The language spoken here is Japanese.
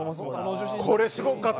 これ、すごかった。